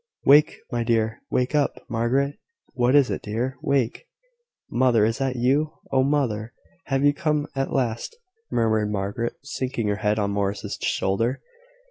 "Wake, my dear! Wake up, Margaret! What is it, dear? Wake!" "Mother! is it you? Oh, mother! have you come at last?" murmured Margaret, sinking her head on Morris' shoulder.